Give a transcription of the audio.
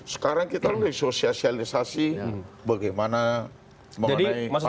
sekarang kita udah di sosialisasi bagaimana mengenai para wisata